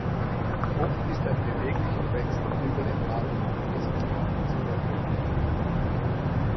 Oft ist ein beweglicher Fensterflügel enthalten, um das Lüften zu ermöglichen.